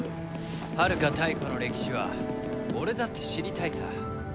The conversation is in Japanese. はるか太古の歴史は俺だって知りたいさ。